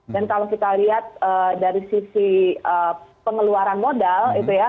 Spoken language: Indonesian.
dan kalau kita lihat dari sisi pengeluaran modal